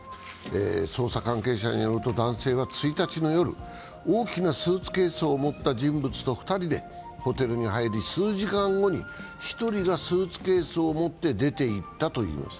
捜査関係者によると男性は１日の夜大きなスーツケースを持った人物と２人でホテルに入り、数時間後に１人がスーツケースを持って出ていったといいます。